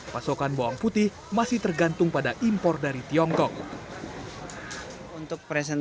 pasokan bawang putih masih tergantung pada impor dari tiongkok